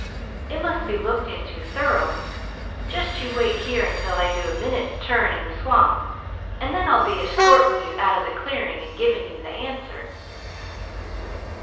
It must be looked into thorough. Just you wait here until I do a minute's turn in the swamp, and then I'll be eschorting you out of the clearing and giving you the answer."